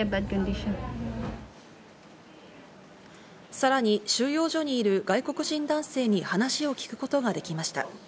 さらに収容所にいる外国人男性に話を聞くことができました。